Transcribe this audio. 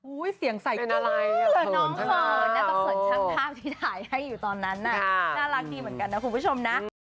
อุ๊ยเสียงใส่กลุ่มน้องฝ่อนแล้วก็ฝ่อนทั้งภาพที่ถ่ายให้อยู่ตอนนั้นน่ะน่ารักดีเหมือนกันนะคุณผู้ชมนะ